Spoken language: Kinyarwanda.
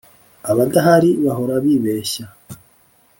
abadahari bahora bibeshya